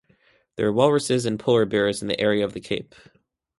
There are walruses and polar bears in the area of the cape.